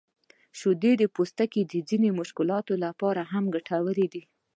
شیدې د پوستکي د ځینو مشکلاتو لپاره هم ګټورې دي.